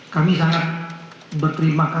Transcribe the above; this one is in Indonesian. kami sangat berterima kasih kepada